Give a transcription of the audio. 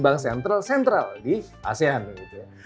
bank sentral sentral di asean gitu ya